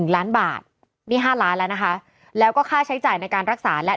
ล้านบาทนี่๕ล้านแล้วนะคะแล้วก็ค่าใช้จ่ายในการรักษาและ